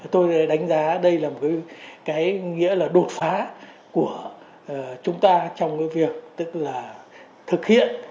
tôi đánh giá đây là một cái đột phá của chúng ta trong cái việc thực hiện